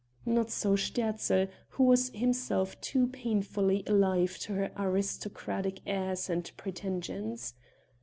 Not so Sterzl, who was himself too painfully alive to her aristocratic airs and pretensions.